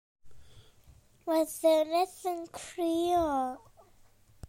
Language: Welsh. Mae'r ddynes yn crio.